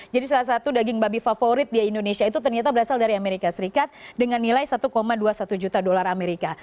jadi salah satu daging babi favorit di indonesia itu ternyata berasal dari amerika serikat dengan nilai satu dua puluh satu juta dolar amerika